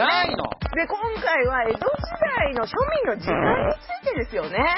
で今回は江戸時代の庶民の時間についてですよね。